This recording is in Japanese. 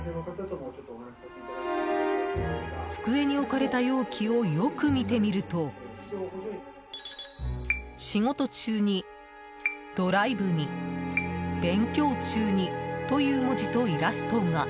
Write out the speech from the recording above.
机に置かれた容器をよく見てみると「仕事中に」「ドライブに」「勉強中に」という文字とイラストが。